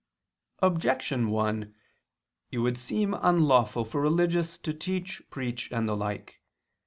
Objection 1: It would seem unlawful for religious to teach, preach, and the like.